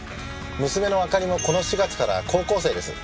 娘の灯里もこの４月から高校生です。